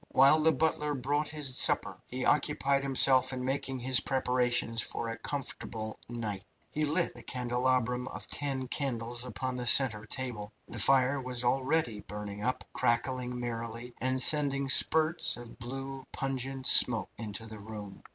While the butler brought his supper he occupied himself in making his preparations for a comfortable night. He lit the candelabrum of ten candles upon the centre table. The fire was already burning up, crackling merrily, and sending spurts of blue, pungent smoke into the room.